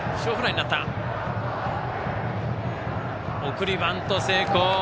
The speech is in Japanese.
送りバント成功。